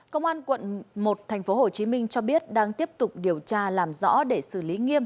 công an quận một tp hcm cho biết đang tiếp tục điều tra làm rõ để xử lý nghiêm